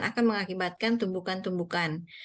akan mengakibatkan tumbukan tumbukan